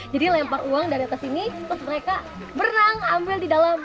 jadi lempar uang dari atas sini terus mereka berenang ambil di dalam